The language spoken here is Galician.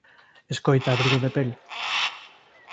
Escoita, abrigo de pel